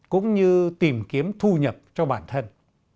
cũng như tìm kiếm thu nhập cho bản thân